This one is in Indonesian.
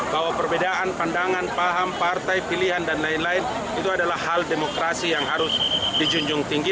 bahwa perbedaan pandangan paham partai pilihan dan lain lain itu adalah hal demokrasi yang harus dijunjung tinggi